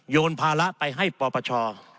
นภาระไปให้ปปช